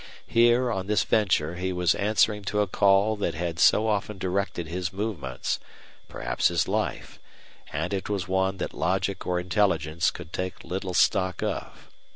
Here, on this venture, he was answering to a call that had so often directed his movements, perhaps his life, and it was one that logic or intelligence could take little stock of.